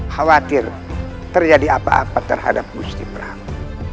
khawatir terjadi apa apa terhadap gusti prabu